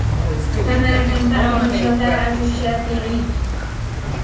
فما تنفعهم شفاعة الشافعين